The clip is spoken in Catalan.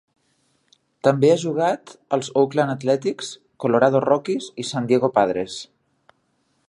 També ha jugat als Oakland Athletics, Colorado Rockies, i San Diego Padres.